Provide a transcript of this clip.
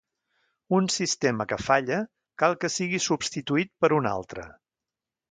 Un sistema que falla cal que sigui substituït per un altre.